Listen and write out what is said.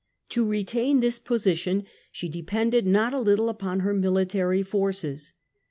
To retain this position she depended not a little upon her The army military forces.